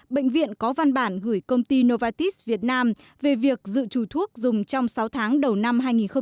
bệnh viện có văn bản gửi công ty novartis việt nam về việc dự trù thuốc dùng trong sáu tháng đầu năm hai nghìn một mươi bốn